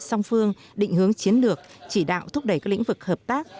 song phương định hướng chiến lược chỉ đạo thúc đẩy các lĩnh vực hợp tác